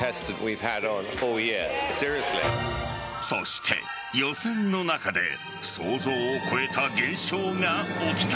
そして予選の中で想像を超えた現象が起きた。